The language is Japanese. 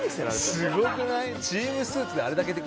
すごくない？